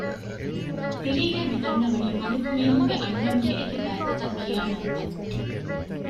ތިރީގައި މިދަންނަވަނީ މަލިކު މީހުންގެ އަންނައުނުގެ އެކި ބައިތަކަށް ކިޔާ ނަންތައް